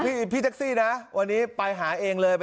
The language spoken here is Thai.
หรือพี่ทักซี่วันนี้ไปหาเองเลย